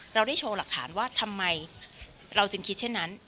เราได้โชว์หลักฐานว่าทำไมเราจึงคิดเช่นนั้น